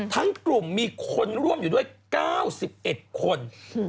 ทั้งกลุ่มมีคนร่วมอยู่ด้วย๙๑คน